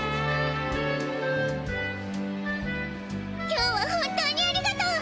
今日は本当にありがとう！